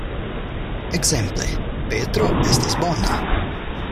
Ekzemple: Petro estas bona.